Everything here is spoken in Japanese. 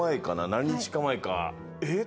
何日か前かえっ？